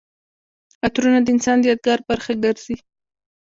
عطرونه د انسان د یادګار برخه ګرځي.